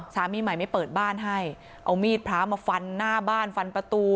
สามีใหม่ไม่เปิดบ้านให้เอามีดพระมาฟันหน้าบ้านฟันประตู